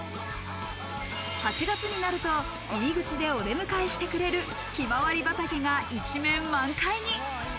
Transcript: ８月になると、入り口でお出迎えしてくれる、ひまわり畑が一面満開に。